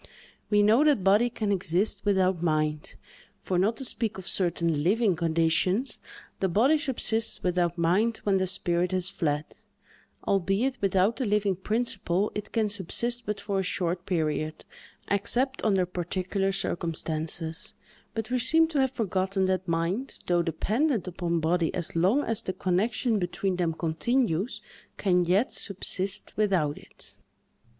We know that body can exist without mind; for, not to speak of certain living conditions, the body subsists without mind when the spirit has fled; albeit, without the living principle it can subsist but for a short period, except under particular circumstances; but we seem to have forgotten that mind, though dependent upon body as long as the connection between them continues, can yet subsist without it.